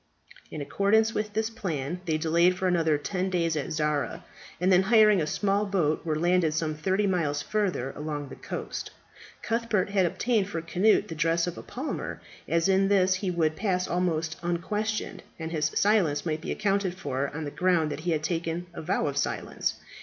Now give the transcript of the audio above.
In accordance with this plan, they delayed for another ten days at Zara, and then, hiring a small boat, were landed some thirty miles further along the coast. Cuthbert had obtained for Cnut the dress of a palmer, as in this he would pass almost unquestioned, and his silence might be accounted for on the ground that he had taken a vow of silence.